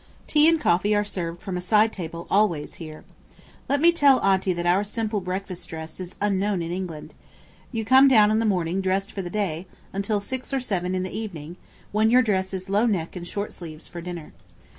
Tea and coffee are served from a side table always, here. Let me tell Aunty that our simple breakfast dress is unknown in England. You come down in the morning dressed for the day, until six or seven in the evening, when your dress is low neck and short sleeves for dinner.